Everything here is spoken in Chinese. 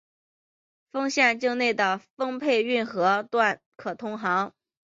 丰县境内的丰沛运河段可通航。